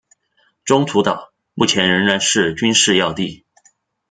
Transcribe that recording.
中途岛目前仍是军事要地。